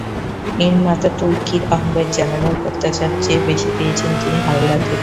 নির্মাতা তৌকীর আহমেদ জানালেন, প্রত্যাশার চেয়ে বেশি পেয়েছেন তিনি হালদা থেকে।